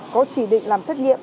có chỉ định làm xét nghiệm